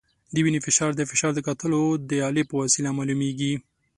د وینې فشار د فشار د کتلو د الې په وسیله معلومېږي.